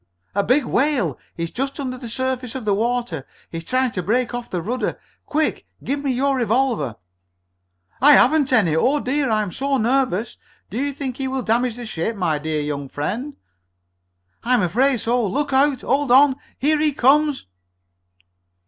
"A big whale! He's just under the surface of the water! He's trying to break off the rudder! Quick, give me your revolver!" "I haven't any! Oh, dear! I'm so nervous! Do you think he will damage the ship, my dear young friend?" "I'm afraid so! Look out! Hold on! Here he comes!"